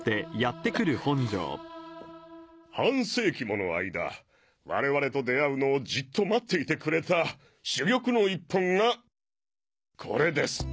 半世紀もの間我々と出会うのをじっと待っていてくれた珠玉の１本がこれです。